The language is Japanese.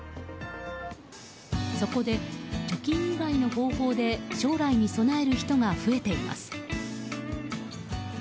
そこで貯金以外の方法で将来に備える人が増えています。